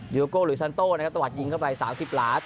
ยูโรโกหรือซันโต้ตวัดยิงเข้าไป๓๐ล้าน